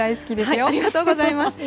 ありがとうございます。